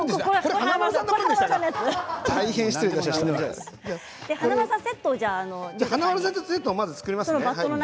華丸さんのセットをまず作りますね。